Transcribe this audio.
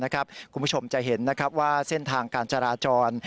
คุณผู้ชมจะเห็นว่าเส้นทางการจราจร